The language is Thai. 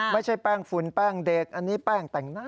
ไม่ใช่แป้งฝุ่นแป้งเด็กอันนี้แป้งแต่งหน้า